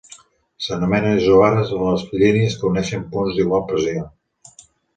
S'anomenen isòbares a les línies que uneixen punts d'igual pressió.